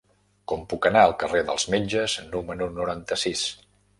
Com puc anar al carrer dels Metges número noranta-sis?